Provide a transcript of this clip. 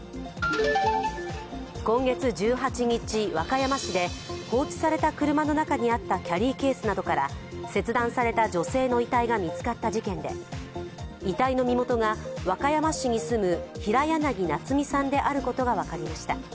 今月１８日、和歌山市で放置された車の中にあったキャリーケースなどから切断された女性の遺体が見つかった事件で遺体の身元が和歌山市に住む平柳奈都弥さんであることが分かりました。